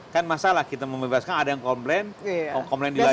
kan masalah kita membebaskan ada yang komplain komplain dilayani